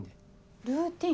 ルーティン？